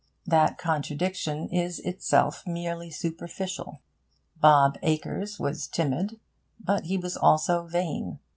That contradiction is itself merely superficial. Bob Acres was timid, but he was also vain.